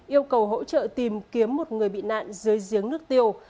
yêu cầu hỗ trợ tìm kiếm một người bị nạn dưới giếng nước tiêu